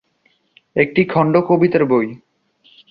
এটি খন্ড কবিতার বই।